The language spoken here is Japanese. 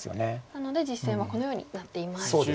なので実戦はこのようになっています。